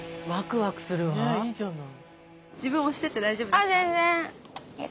ねいいじゃない。